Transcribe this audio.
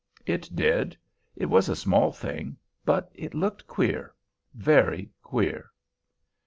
It did. It was a small thing. But it looked queer, Very queer.